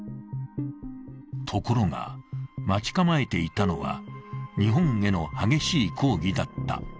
ところが、待ち構えていたのは日本への激しい抗議だった。